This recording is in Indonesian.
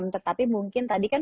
tetapi mungkin tadi kan